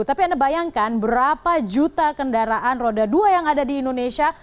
tapi anda bayangkan berapa juta kendaraan roda dua yang ada di indonesia